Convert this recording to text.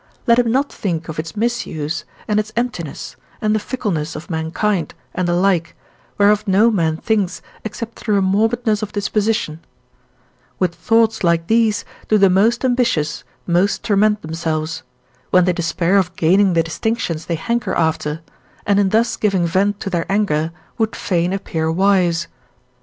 Let him not think of its misuse, and its emptiness, and the fickleness of mankind, and the like, whereof no man thinks except through a morbidness of disposition; with thoughts like these do the most ambitious most torment themselves, when they despair of gaining the distinctions they hanker after, and in thus giving vent to their anger would fain appear wise.